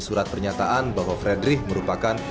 surat pernyataan bahwa fredrich merupakan